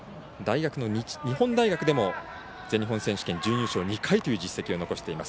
日本大学でも全日本選手権準優勝２回という実績を残しています。